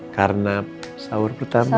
karena sahur pertama kan